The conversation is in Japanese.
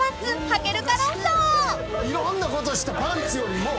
いろんなことしたパンツよりも。